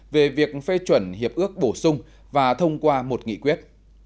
về việc phê chuẩn hiệp ước bổ sung và thông qua một nghị quyết